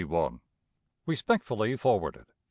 "Respectfully forwarded.